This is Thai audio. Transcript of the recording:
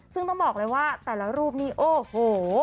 ซึ่งต้องบอกเลยว่าแต่ละรูปนี้โอ้โห